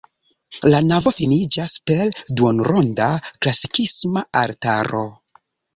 La navo finiĝas per duonronda klasikisma altaro.